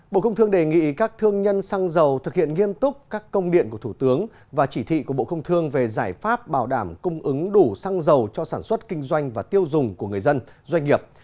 bộ công thương đề nghị các thương nhân xăng dầu thực hiện nghiêm túc các công điện của thủ tướng và chỉ thị của bộ công thương về giải pháp bảo đảm cung ứng đủ xăng dầu cho sản xuất kinh doanh và tiêu dùng của người dân doanh nghiệp